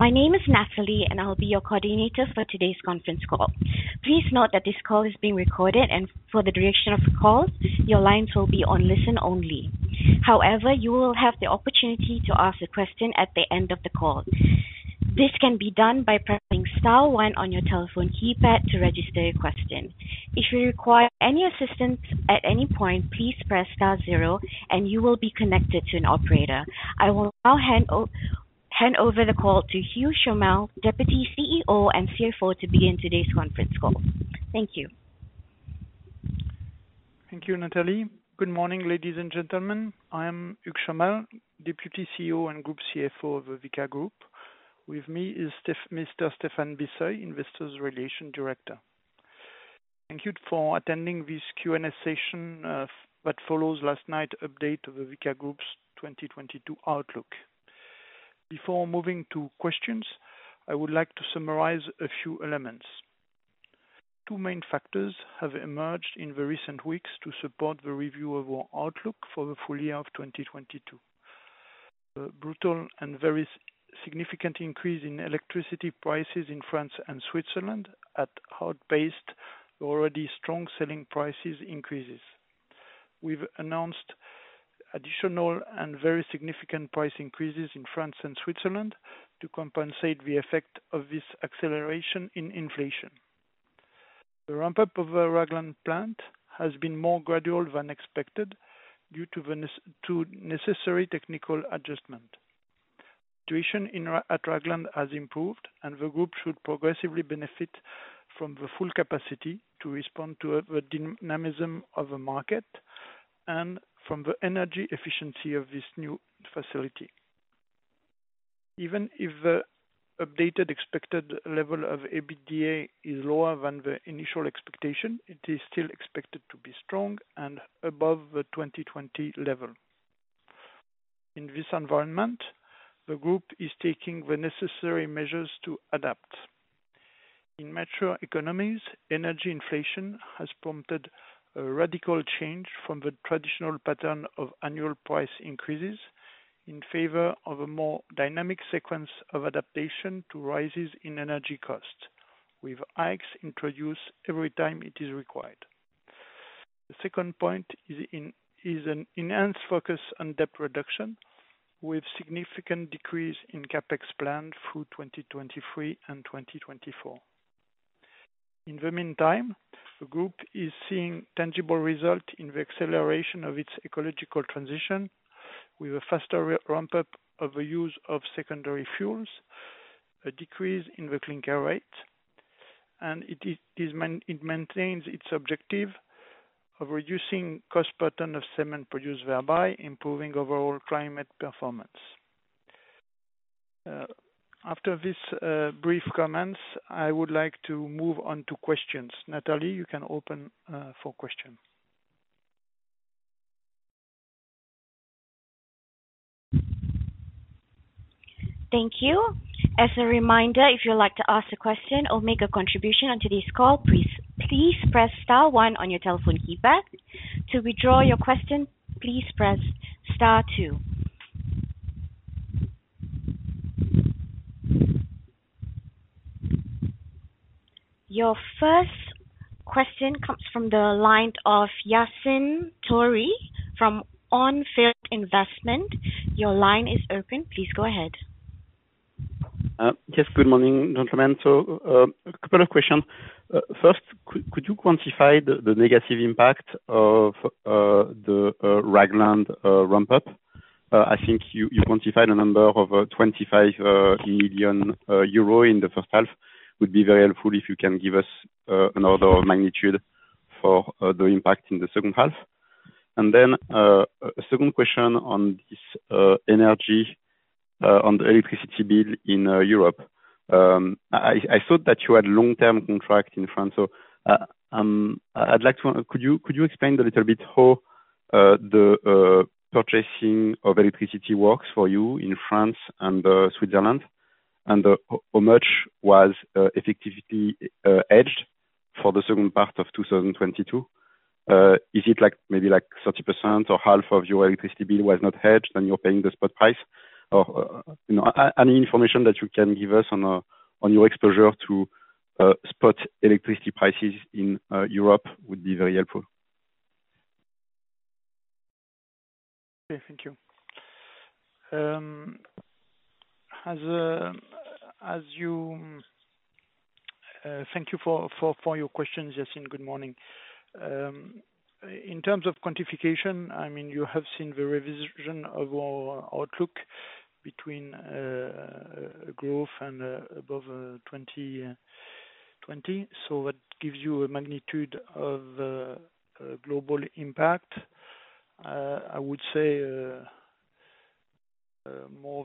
My name is Natalie, and I'll be your coordinator for today's conference call. Please note that this call is being recorded, and for the duration of the call, your lines will be on listen only. However, you will have the opportunity to ask a question at the end of the call. This can be done by pressing star one on your telephone keypad to register your question. If you require any assistance at any point, please press star zero and you will be connected to an operator. I will now hand over the call to Hugues Chomel, Deputy CEO and CFO, to begin today's conference call. Thank you. Thank you, Natalie. Good morning, ladies and gentlemen. I am Hugues Chomel, Deputy CEO and Group CFO of the Vicat Group. With me is Mr. Stéphane Bisseuil, Investor Relations Director. Thank you for attending this Q&A session that follows last night's update of the Vicat Group's 2022 outlook. Before moving to questions, I would like to summarize a few elements. Two main factors have emerged in the recent weeks to support the review of our outlook for the full year of 2022. The brutal and very significant increase in electricity prices in France and Switzerland coupled with already strong selling price increases. We've announced additional and very significant price increases in France and Switzerland to compensate the effect of this acceleration in inflation. The ramp-up of our Ragland plant has been more gradual than expected due to the necessary technical adjustment. Utilization rate at Ragland has improved, and the group should progressively benefit from the full capacity to respond to the dynamism of the market and from the energy efficiency of this new facility. Even if the updated expected level of EBITDA is lower than the initial expectation, it is still expected to be strong and above the 2020 level. In this environment, the group is taking the necessary measures to adapt. In mature economies, energy inflation has prompted a radical change from the traditional pattern of annual price increases in favor of a more dynamic sequence of adaptation to rises in energy costs, with hikes introduced every time it is required. The second point is an enhanced focus on debt reduction, with significant decrease in CapEx plan through 2023 and 2024. In the meantime, the group is seeing tangible result in the acceleration of its ecological transition with a faster ramp-up of the use of secondary fuels, a decrease in the clinker rate, and it maintains its objective of reducing cost per ton of cement produced, thereby improving overall climate performance. After this brief comments, I would like to move on to questions. Natalie, you can open for questions. Thank you. As a reminder, if you would like to ask a question or make a contribution onto this call, please press star one on your telephone keypad. To withdraw your question, please press star two. Your first question comes from the line of Yassine Touahri from On Field Investment Research. Your line is open. Please go ahead. Yes, good morning, gentlemen. A couple of questions. First, could you quantify the negative impact of the Ragland ramp-up? I think you quantified a number of 25 million euro in the first half. It would be very helpful if you can give us an order of magnitude for the impact in the second half. A second question on this energy, on the electricity bill in Europe. I thought that you had long-term contract in France, so I'd like to. Could you explain a little bit how the purchasing of electricity works for you in France and Switzerland? How much was effectively hedged for the second part of 2022? Is it like, maybe like 30% or half of your electricity bill was not hedged and you're paying the spot price? You know, any information that you can give us on your exposure to spot electricity prices in Europe would be very helpful. Okay, thank you. Thank you for your questions, Yassine. Good morning. In terms of quantification, I mean, you have seen the revision of our outlook between growth and above 2020. That gives you a magnitude of a global impact. I would say more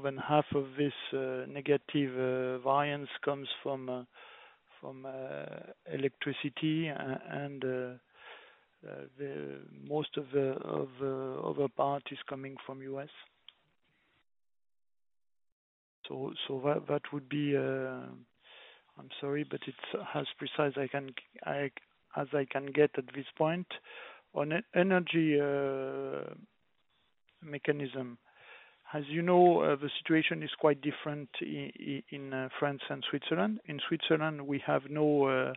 than half of this negative variance comes from electricity and the most of other part is coming from U.S. That would be. I'm sorry, but it's as precise as I can get at this point. On energy mechanism. As you know, the situation is quite different in France and Switzerland. In Switzerland, we have no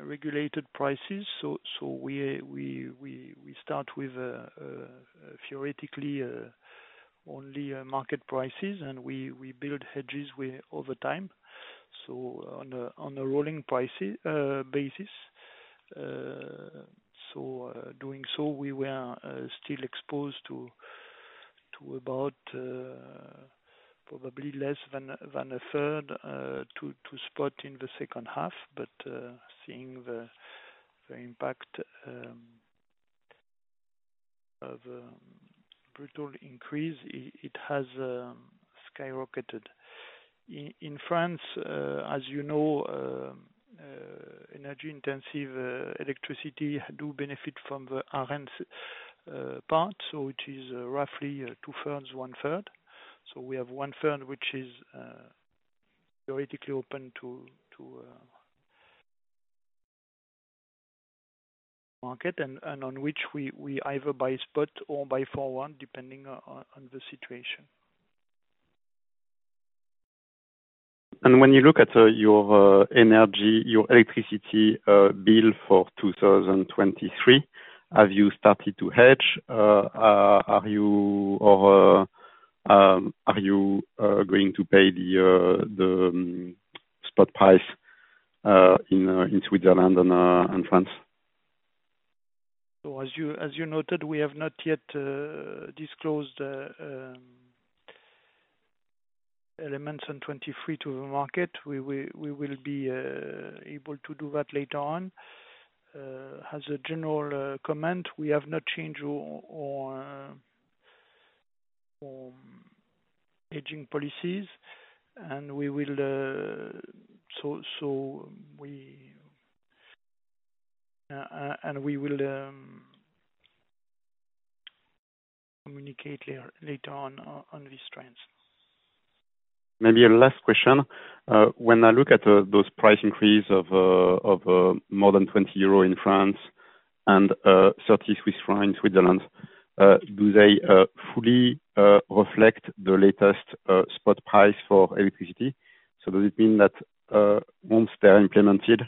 regulated prices, I would say. We start with theoretically only market prices and we build hedges with over time, so on a rolling prices basis. Doing so, we were still exposed to about probably less than a third to spot in the second half. Seeing the impact of brutal increase, it has skyrocketed. In France, as you know, energy intensive electricity do benefit from the ARENH part, so it is roughly two-thirds, one-third. We have one-third, which is theoretically open to market and on which we either buy spot or buy forward, depending on the situation. When you look at your energy, your electricity bill for 2023, have you started to hedge? Are you going to pay the spot price in Switzerland and France? As you noted, we have not yet disclosed elements in 2023 to the market. We will be able to do that later on. As a general comment, we have not changed our aging policies, and we will communicate later on these trends. Maybe a last question. When I look at those price increases of more than 20 euro in France and 30 Swiss francs in Switzerland, do they fully reflect the latest spot price for electricity? Does it mean that once they're implemented,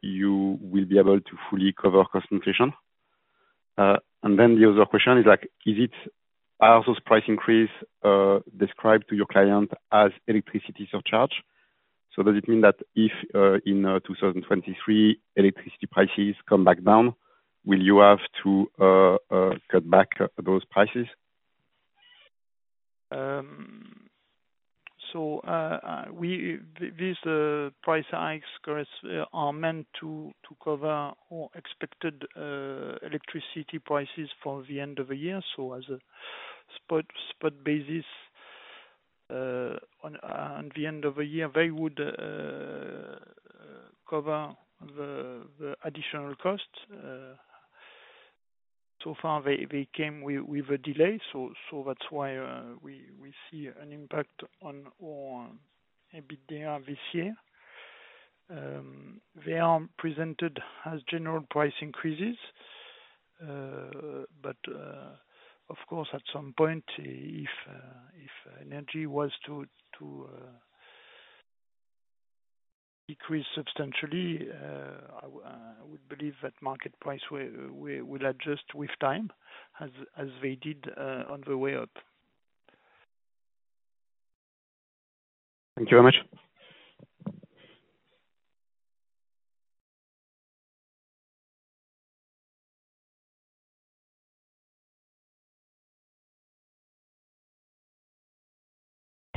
you will be able to fully cover cost inflation? The other question is, are those price increases described to your client as electricity surcharge? Does it mean that if in 2023 electricity prices come back down, will you have to cut back those prices? These price hikes are meant to cover all expected electricity prices for the end of the year. As a spot basis on the end of the year, they would cover the additional cost. So far, they came with a delay, so that's why we see an impact on our EBITDA this year. They are presented as general price increases. Of course, at some point, if energy was to decrease substantially, I would believe that market price will adjust with time as they did on the way up. Thank you very much.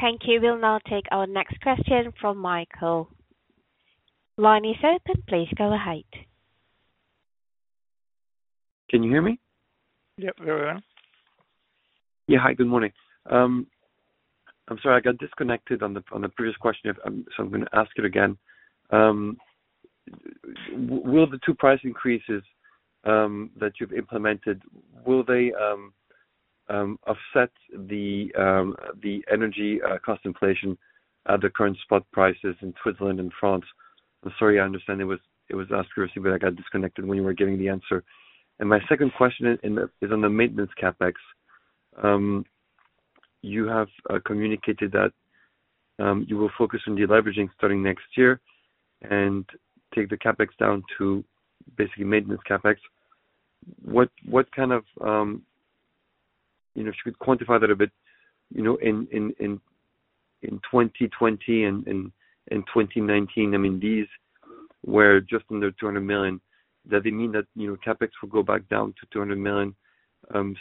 Thank you. We'll now take our next question from Michael. Line is open. Please go ahead. Can you hear me? Yep, very well. Yeah. Hi, good morning. I'm sorry, I got disconnected on the previous question. So I'm gonna ask it again. Will the two price increases that you've implemented affect the energy cost inflation at the current spot prices in Switzerland and France? I'm sorry, I understand it was asked previously, but I got disconnected when you were giving the answer. My second question is on the maintenance CapEx. You have communicated that you will focus on deleveraging starting next year and take the CapEx down to basically maintenance CapEx. What kind of, you know, if you could quantify that a bit, you know, in 2020 and 2019. I mean, these were just under 200 million. Does it mean that, you know, CapEx will go back down to 200 million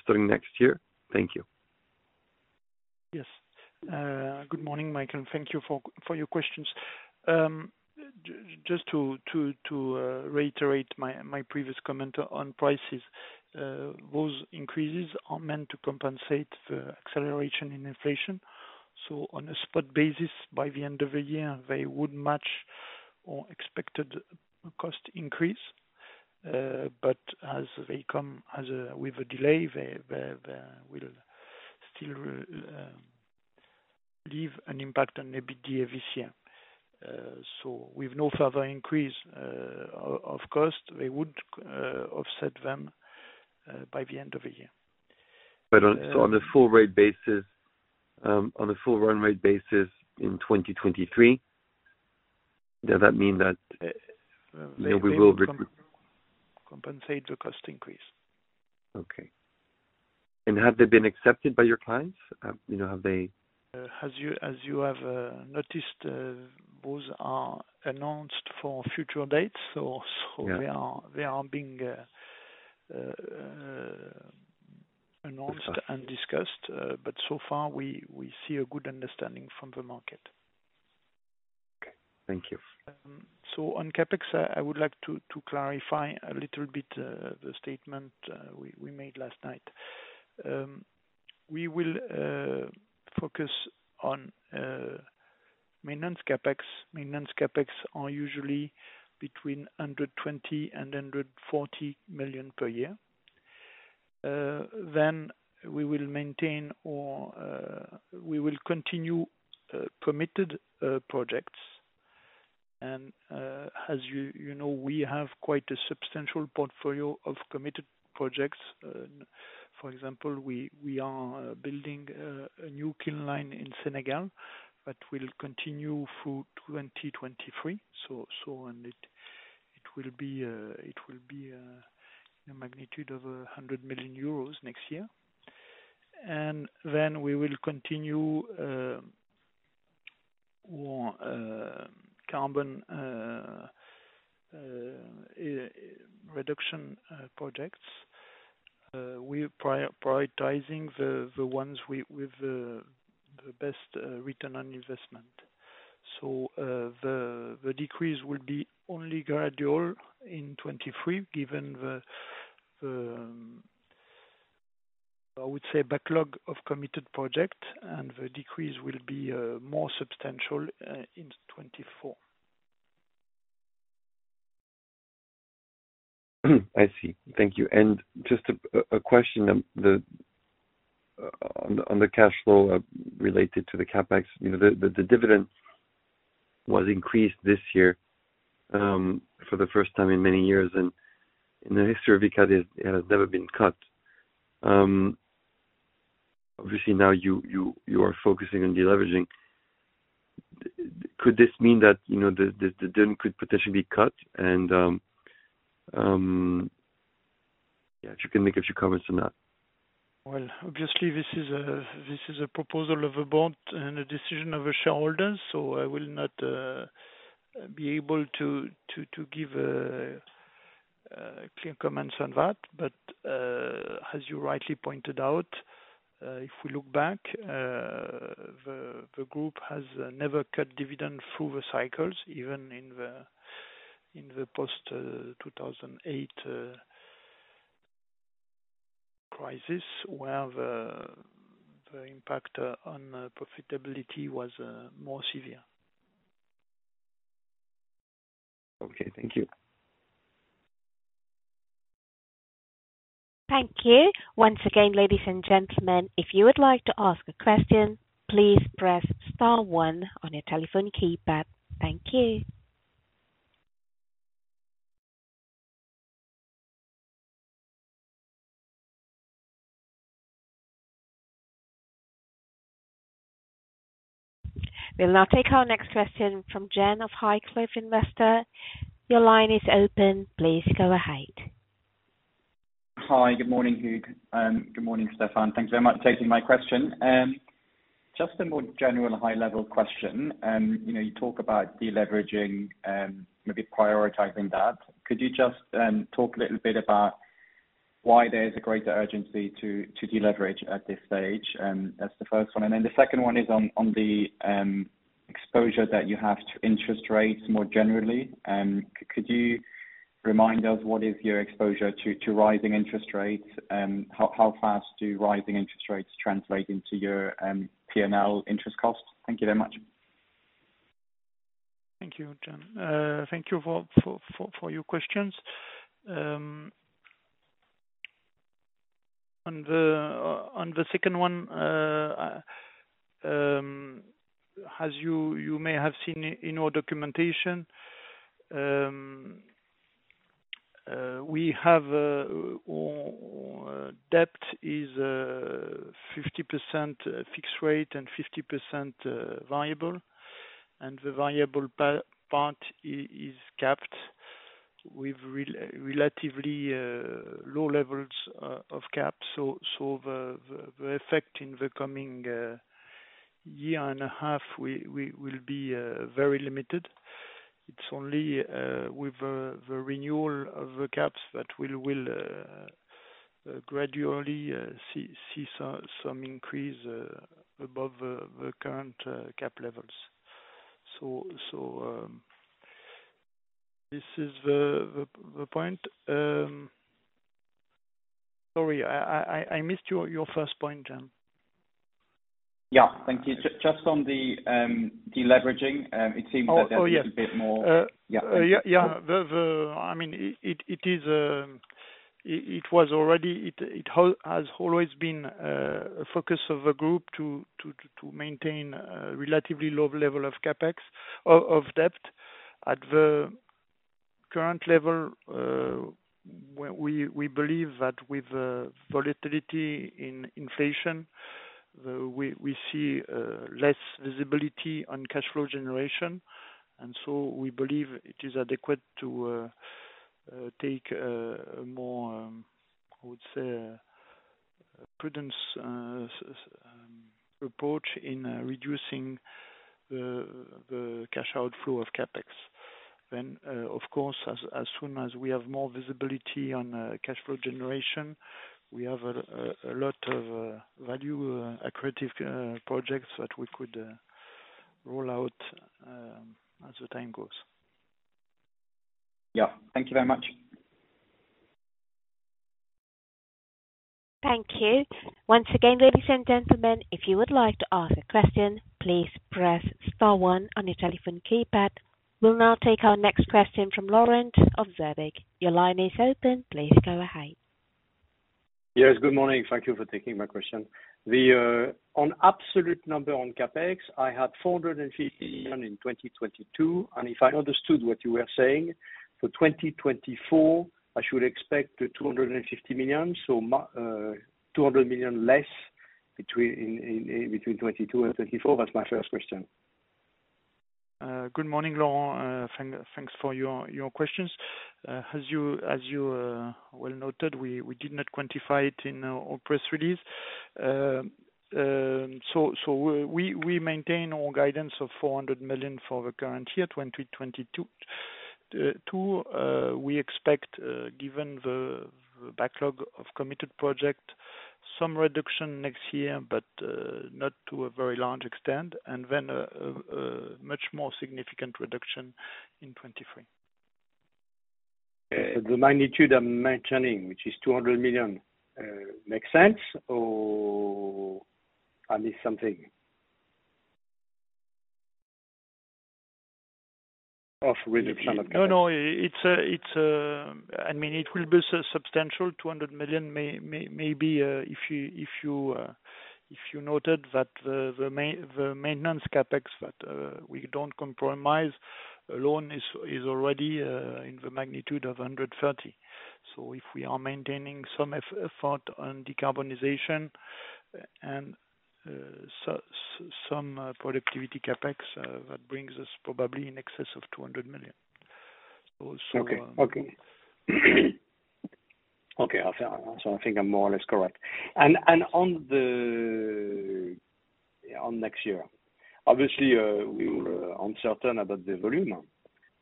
starting next year? Thank you. Yes. Good morning, Michael. Thank you for your questions. Just to reiterate my previous comment on prices. Those increases are meant to compensate the acceleration in inflation. On a spot basis, by the end of the year, they would match the expected cost increase. As they come with a delay, they will still leave an impact on EBITDA this year. With no further increase of cost, they would offset them by the end of the year. On the full run rate basis in 2023, does that mean that, you know, we will. They will recompensate the cost increase. Okay. Have they been accepted by your clients? As you have noticed, those are announced for future dates, so. Yeah. They are being announced. Okay. Discussed. So far, we see a good understanding from the market. Okay. Thank you. On CapEx, I would like to clarify a little bit the statement we made last night. We will focus on maintenance CapEx. Maintenance CapEx are usually between 120 million and 140 million per year. We will maintain or we will continue committed projects. As you know, we have quite a substantial portfolio of committed projects. For example, we are building a new kiln line in Senegal that will continue through 2023. It will be a magnitude of 100 million euros next year. We will continue more carbon reduction projects. We're prioritizing the ones with the best return on investment. The decrease will be only gradual in 2023, given the, I would say, backlog of committed project, and the decrease will be more substantial in 2024. I see. Thank you. Just a question on the cash flow related to the CapEx. You know, the dividend was increased this year for the first time in many years. In the history of Vicat, it has never been cut. Obviously now you are focusing on deleveraging. Could this mean that, you know, the dividend could potentially be cut? Yeah, if you can make a few comments on that. Well, obviously this is a proposal of a board and a decision of a shareholder, so I will not be able to give clear comments on that. As you rightly pointed out, if we look back, the group has never cut dividend through the cycles, even in the post-2008 crisis, where the impact on profitability was more severe. Okay, thank you. Thank you. Once again, ladies and gentlemen, if you would like to ask a question, please press star one on your telephone keypad. Thank you. We'll now take our next question from Jen of High Cliff Investor. Your line is open. Please go ahead. Hi. Good morning, Hugues. Good morning, Stéphane. Thanks very much for taking my question. Just a more general high-level question. You know, you talk about deleveraging and maybe prioritizing that. Could you just talk a little bit about why there is a greater urgency to deleverage at this stage? That's the first one. The second one is on the exposure that you have to interest rates more generally. Could you remind us what is your exposure to rising interest rates? How fast do rising interest rates translate into your PNL interest costs? Thank you very much. Thank you, Jen. Thank you for your questions. On the second one, as you may have seen in our documentation, we have our debt is 50% fixed rate and 50% variable. The variable part is capped with relatively low levels of cap. The effect in the coming year and a half will be very limited. It's only with the renewal of the caps that we'll gradually see some increase above the current cap levels. This is the point. Sorry, I missed your first point then. Yeah. Thank you. Just on the deleveraging, it seems that there's. Oh yes. A bit more, yeah. Yeah, yeah. The, I mean, it has always been a focus of the group to maintain a relatively low level of CapEx of debt. At the current level, we believe that with volatility in inflation, we see less visibility on cash flow generation. We believe it is adequate to take a more prudent approach in reducing the cash outflow of CapEx. Of course, as soon as we have more visibility on cash flow generation, we have a lot of value accretive projects that we could roll out as the time goes. Yeah. Thank you very much. Thank you. Once again, ladies and gentlemen, if you would like to ask a question, please press star one on your telephone keypad. We'll now take our next question from Laurent of Zebec. Your line is open. Please go ahead. Yes, good morning. Thank you for taking my question. The absolute number on CapEx, I had 450 million in 2022, and if I understood what you were saying, for 2024, I should expect 250 million, so two hundred million less between 2022 and 2024. That's my first question. Good morning, Laurent. Thanks for your questions. As you well noted, we did not quantify it in our press release. We maintain our guidance of 400 million for the current year, 2022. Too, we expect, given the backlog of committed project, some reduction next year, but not to a very large extent, and then a much more significant reduction in 2023. The magnitude I'm mentioning, which is 200 million, makes sense or am I missing something of reduction of CapEx? No. I mean, it will be substantial, 200 million maybe, if you noted that the maintenance CapEx that we don't compromise on is already in the magnitude of 130 million. If we are maintaining some effort on decarbonization and some productivity CapEx, that brings us probably in excess of 200 million. I think I'm more or less correct. On next year, obviously, we're uncertain about the volume.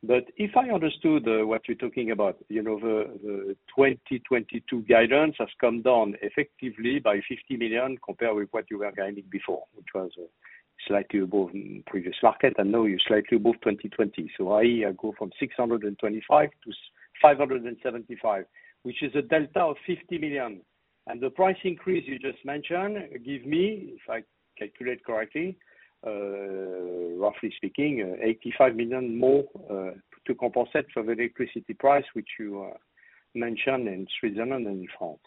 If I understood what you're talking about, the 2022 guidance has come down effectively by 50 million compared with what you were guiding before, which was slightly above previous market, and now you're slightly above 2020. I go from 625 to 575, which is a delta of 50 million. The price increase you just mentioned gives me, if I calculate correctly, roughly speaking, 85 million more to compensate for the electricity price, which you mentioned in Switzerland and in France.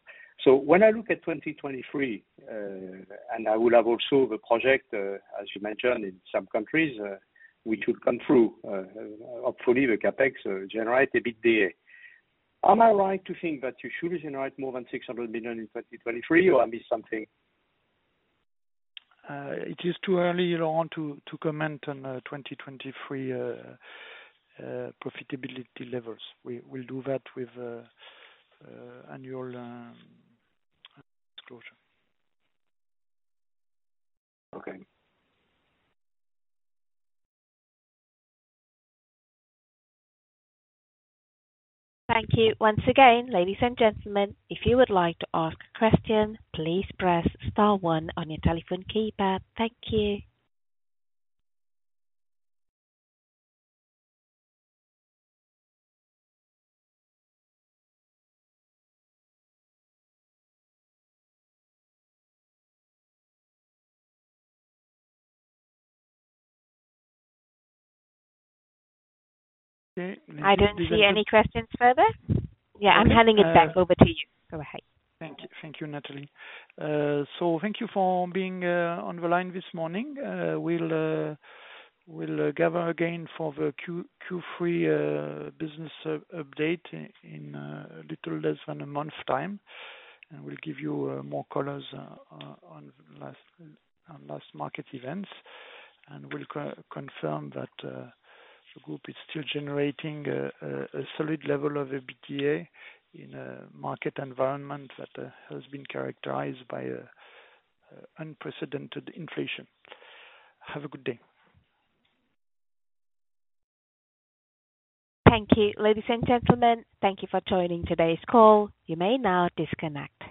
When I look at 2023, and I will have also the project, as you mentioned in some countries, which will come through, hopefully the CapEx generate a bit there. Am I right to think that you should generate more than 600 million in 2023, or I miss something? It is too early, Laurent, to comment on 2023 profitability levels. We'll do that with annual disclosure. Okay. Thank you. Once again, ladies and gentlemen, if you would like to ask a question, please press star one on your telephone keypad. Thank you. Okay. I don't see any questions further. Yeah, I'm handing it back over to you. Go ahead. Thank you. Thank you, Natalie. Thank you for being on the line this morning. We'll gather again for the Q3 business update in a little less than a month's time. We'll give you more color on latest market events. We'll confirm that the group is still generating a solid level of EBITDA in a market environment that has been characterized by unprecedented inflation. Have a good day. Thank you. Ladies and gentlemen, thank you for joining today's call. You may now disconnect.